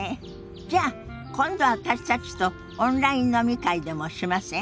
じゃ今度私たちとオンライン飲み会でもしません？